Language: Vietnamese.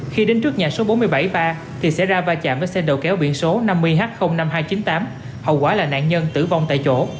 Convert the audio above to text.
khi đến trước nhà số bốn mươi bảy ba thì xảy ra va chạm với xe đầu kéo biển số năm mươi h năm nghìn hai trăm chín mươi tám hậu quả là nạn nhân tử vong tại chỗ